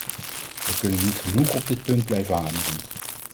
We kunnen niet genoeg op dit punt blijven hameren.